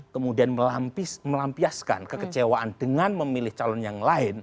kemudian melampiaskan kekecewaan dengan memilih calon yang lain